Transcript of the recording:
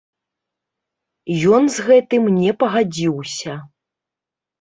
Ён з гэтым не пагадзіўся.